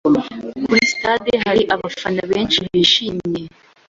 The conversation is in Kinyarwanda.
Kuri stade hari abafana benshi bishimye.